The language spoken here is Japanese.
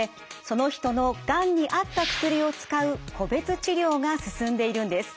その人のがんに合った薬を使う個別治療が進んでいるんです。